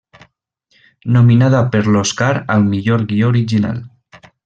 Nominada per l'Oscar al millor guió original.